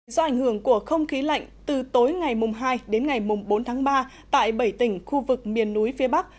do ảnh hưởng của không khí lạnh từ tối ngày hai đến ngày bốn tháng ba tại bảy tỉnh khu vực miền núi phía bắc